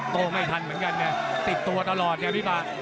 โตไม่ทันเหมือนกันเนี่ยติดตัวตลอดเนี่ยพี่ป๊า